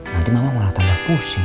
nanti mama malah tambah pusing